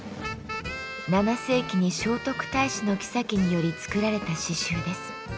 ７世紀に聖徳太子の后により作られた刺繍です。